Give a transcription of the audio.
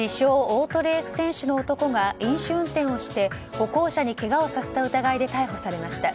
オートレース選手の男が飲酒運転をして歩行者にけがをさせた疑いで逮捕されました。